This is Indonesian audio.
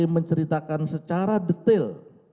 menceritakan secara detail